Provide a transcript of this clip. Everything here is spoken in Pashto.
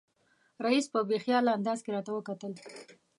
رییس په بې خیاله انداز کې راته وکتل.